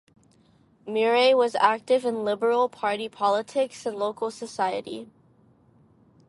Murray was active in Liberal Party politics and local society.